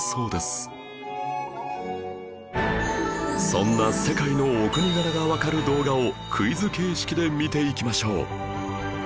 そんな世界のお国柄がわかる動画をクイズ形式で見ていきましょう